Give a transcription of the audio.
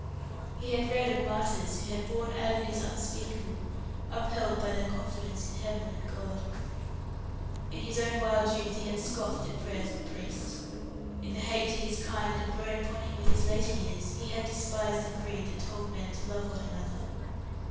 He had read of martyrs who had borne agonies unspeakable, upheld by their confidence in Heaven and God. In his old wild youth he had scoffed at prayers and priests; in the hate to his kind that had grown upon him with his later years he had despised a creed that told men to love one another.